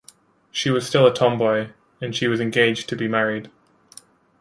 She was still a tomboy; and she was engaged to be married.